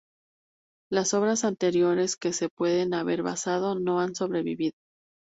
Las obras anteriores que se pueden haber basado no han sobrevivido.